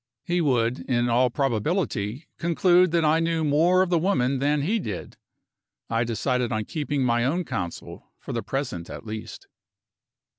He would, in all probability, conclude that I knew more of the woman than he did. I decided on keeping my own counsel, for the present at least.